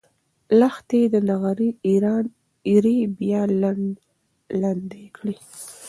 لښتې د نغري ایرې بیا لندې کړې.